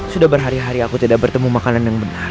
sudah berhari hari aku tidak bertemu makanan yang benar